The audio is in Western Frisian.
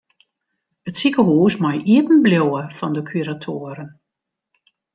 It sikehús mei iepen bliuwe fan de kuratoaren.